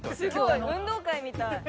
運動会みたい。